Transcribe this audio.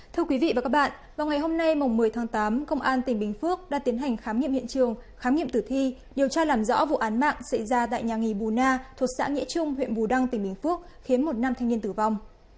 thưa quý vị và các bạn vào ngày hôm nay một mươi tháng tám công an tỉnh bình phước đã tiến hành khám nghiệm hiện trường khám nghiệm tử thi điều tra làm rõ vụ án mạng xảy ra tại nhà nghỉ bù na thuộc xã nghĩa trung huyện bù đăng tỉnh bình phước khiến một nam thanh niên tử vong